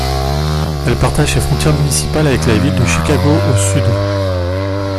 Elle partage ses frontières municipales avec la ville de Chicago au sud.